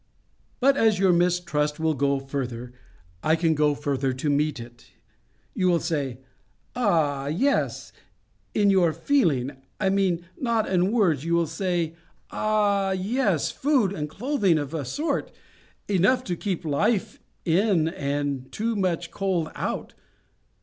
"But as your mistrust will go further, I can go further to meet it. You will say, 'Ah! yes'—in your feeling, I mean, not in words,—you will say, 'Ah! yes—food and clothing of a sort! Enough to keep life in and too much cold out!